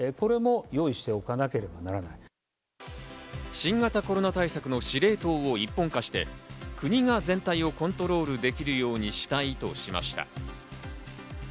新型コロナ対策の司令塔を一本化して、国が全体をコントロールできるようにしたいとしました。